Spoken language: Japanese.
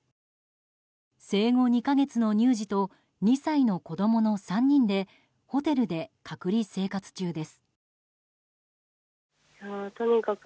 生後２か月の乳児と２歳の子供の３人でホテルで隔離生活中です。